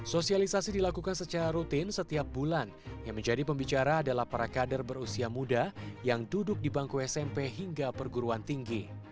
sosialisasi dilakukan secara rutin setiap bulan yang menjadi pembicara adalah para kader berusia muda yang duduk di bangku smp hingga perguruan tinggi